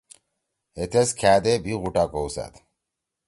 ہے تیس کھأدے بھی غوٹا کؤسأد۔